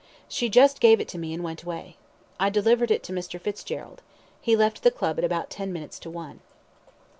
She just gave it to me, and went away. I delivered it to Mr. Fitzgerald. He left the Club at about ten minutes to one.